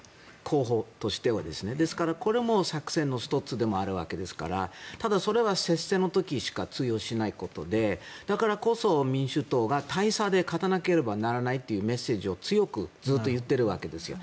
候補としては。ですから、これも作戦の１つであるわけですからただそれは接戦の時しか通用しないことでだからこそ民主党が大差で勝たなければならないというメッセージを強くずっと言っているわけですよ。